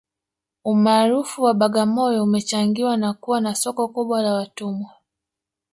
umaarufu wa bagamoyo umechangiwa na kuwa na soko kubwa la watumwa